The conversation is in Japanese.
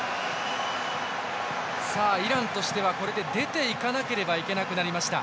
イランとしてはこれで出ていかなくてはいけなくなりました。